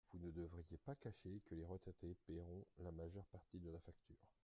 Vous ne devriez pas cacher que les retraités paieront la majeure partie de la facture.